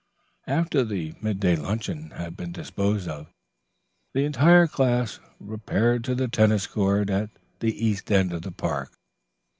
After the midday luncheon had been disposed of, the entire class repaired to the tennis court at the east end of the park.